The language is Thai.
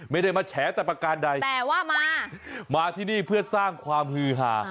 ไม่ได้มาแฉแต่ประการใดแต่ว่ามามาที่นี่เพื่อสร้างความฮือหา